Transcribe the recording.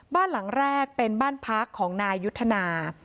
บ้านหลังแรกเป็นบ้านพักของนายยุทธนา